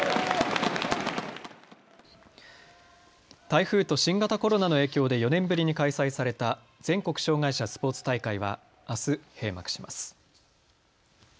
台風と新型コロナの影響で４年ぶりに開催された全国障害者スポーツ大会はあす閉幕します。